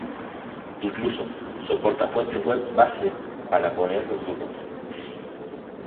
Incluso, soporta fuentes web-base para poner los grupos.